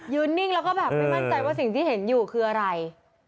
นิ่งแล้วก็แบบไม่มั่นใจว่าสิ่งที่เห็นอยู่คืออะไร